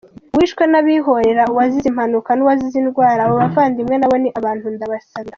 Uwishwe n’abihorera, uwazize impanuka n’uwazize indwara, abo bavandimwe nabo ni abantu ndabasabira ”